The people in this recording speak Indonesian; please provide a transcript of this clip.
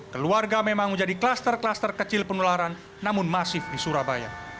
keluarga memang menjadi kluster kluster kecil penularan namun masif di surabaya